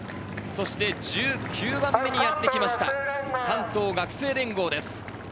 １９番目にやってきました、関東学生連合です。